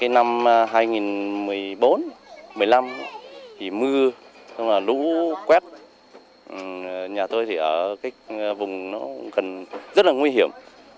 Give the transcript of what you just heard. năm hai nghìn một mươi bốn hai nghìn một mươi năm thì mưa lũ quét nhà tôi ở vùng rất nguy hiểm